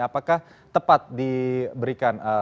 apakah tepat diberikan